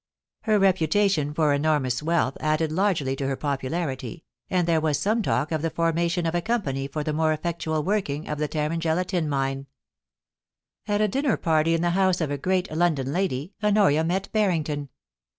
Her reputation for enormous wealth added largely to her popularity, and there was some talk of the formation of a company for the more effectual working of the Tarangella tin mine At a dinner party in the house of a great London lady Honoria met Harrington.